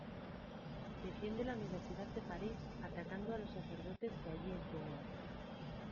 Defiende la universidad de París atacando a los sacerdotes que allí enseñan.